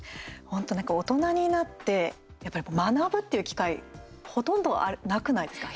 本当、なんか大人になってやっぱり学ぶっていう機会ほとんどなくないですか？